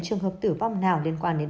trường hợp tử vong nào liên quan đến